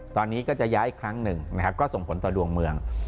ตอนนี้ก็จะย้ายอีกครั้งหนึ่งนะครับก็ส่งผลต่อดวงเมือง